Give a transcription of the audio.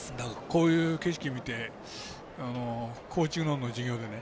こういう景色を見て授業でね